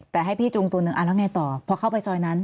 แต่ให้พี่จูงตัวหนึ่งแล้วไงต่อพอเข้าไปซอยนั้น